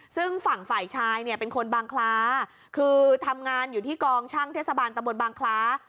ซึ่งฝั่งฝ่ายชายเนี่ยเป็นคนบางคล้าคือทำงานอยู่ที่กองช่างเทศบาลตะบนบางคล้า